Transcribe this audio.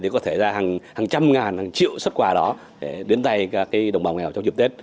có thể ra hàng trăm ngàn hàng triệu xuất quà đó để đến tay các đồng bào nghèo trong dịp tết